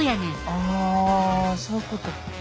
あそういうこと。